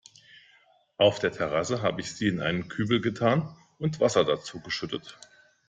Auf der Terrasse hab ich sie in einen Kübel getan und Wasser dazu geschüttet.